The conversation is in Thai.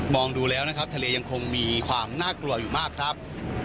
ดูแล้วนะครับทะเลยังคงมีความน่ากลัวอยู่มากครับ